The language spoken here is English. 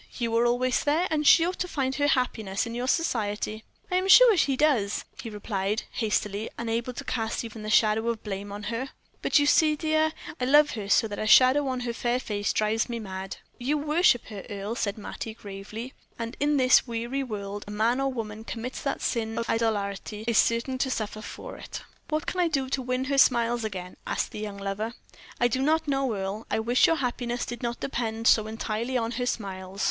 You are always there, and she ought to find her happiness in your society." "I am sure she does," he replied, hastily, unable to cast even the shadow of blame on her; "but you see, dear, I love her so that a shadow on her fair face drives me mad." "You worship her, Earle," said Mattie, gravely; "and in this weary world man or woman who commits that sin of idolatry is certain to suffer for it." "What can I do to win her smiles again?" asked the young lover. "I do not know, Earle. I wish your happiness did not depend so entirely on her smiles."